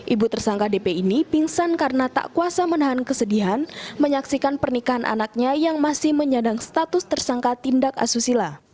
ibu tersangka dp ini pingsan karena tak kuasa menahan kesedihan menyaksikan pernikahan anaknya yang masih menyadang status tersangka tindak asusila